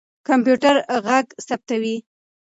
کمپيوټر ږغ ثبتوي.